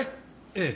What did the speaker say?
ええ。